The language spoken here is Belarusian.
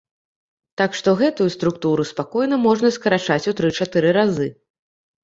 Так што гэтую структуру спакойна можна скарачаць у тры-чатыры разы.